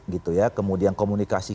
gitu ya kemudian komunikasi